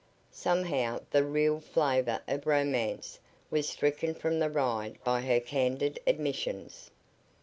Somehow the real flavor of romance was stricken from the ride by her candid admissions.